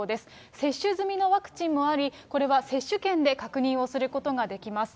接種済みのワクチンもあり、これは接種券で確認をすることができます。